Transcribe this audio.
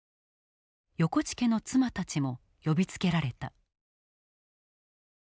横地家の妻たちも呼びつけられた。